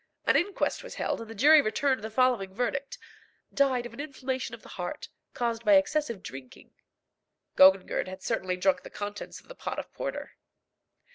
An inquest was held, and the jury returned the following verdict: "Died of an inflation of the heart, caused by excessive drinking." Gogangerdd had certainly drunk the contents of the pot of porter.